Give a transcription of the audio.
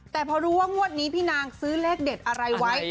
แต่พอรู้ว่างวดนี้พี่นางซื้อเลขเด็ดอะไรไว้